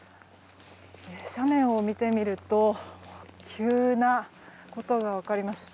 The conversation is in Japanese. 斜面を見てみると急なことが分かります。